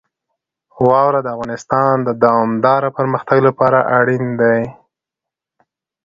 واوره د افغانستان د دوامداره پرمختګ لپاره اړین دي.